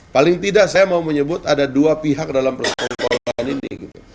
paling tidak saya mau menyebut ada dua pihak dalam persoalan korban ini